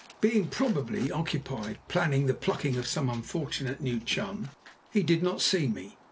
Being probably occupied planning the plucking of some unfortunate new chum, he did not see me.